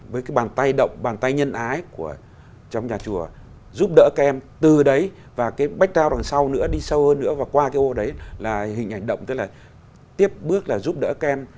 với cái bàn tay động bàn tay nhân ái trong nhà chùa giúp đỡ các em từ đấy và cái bách dao đằng sau nữa đi sâu hơn nữa và qua cái ô đấy là hình ảnh động tức là tiếp bước là giúp đỡ các em